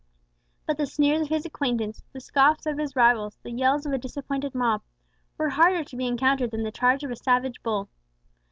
But the sneers of his acquaintance, the scoffs of his rivals, the yells of a disappointed mob, were harder to be encountered than the charge of a savage bull.